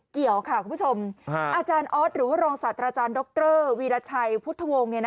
เกี่ยวค่ะคุณผู้ชมอาจารย์ออสหรือว่ารองศาสตราจารย์ดรวีรชัยพุทธวงศ์